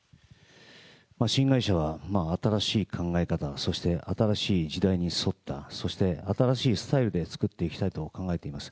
新会社は新しい考え方、そして新しい時代に沿った、そして新しいスタイルで作っていきたいと考えています。